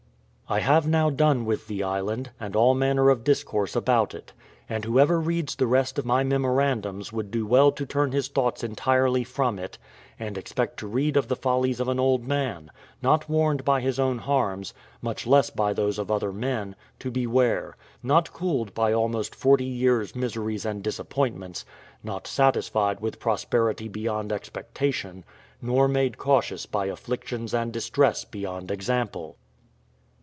I have now done with the island, and all manner of discourse about it: and whoever reads the rest of my memorandums would do well to turn his thoughts entirely from it, and expect to read of the follies of an old man, not warned by his own harms, much less by those of other men, to beware; not cooled by almost forty years' miseries and disappointments not satisfied with prosperity beyond expectation, nor made cautious by afflictions and distress beyond example.